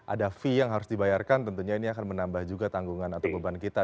ada fee yang harus dibayarkan tentunya ini akan menambah juga tanggungan atau beban kita